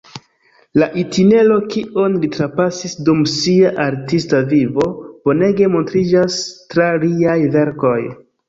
La itinero, kion li trapasis dum sia artista vivo, bonege montriĝas tra liaj verkoj.